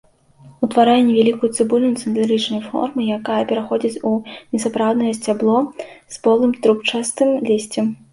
Утварае невялікую цыбуліну цыліндрычнай формы, якая пераходзіць у несапраўднае сцябло з полым трубчастым лісцем.